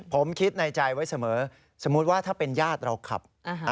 ผมคิดในใจไว้เสมอสมมุติว่าถ้าเป็นญาติเราขับ